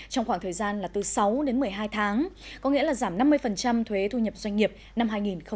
trong khoảng thời gian là từ sáu đến một mươi hai tháng có nghĩa là giảm năm mươi thuế thu nhập doanh nghiệp năm hai nghìn hai mươi